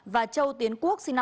và châu tiến quốc sinh năm hai nghìn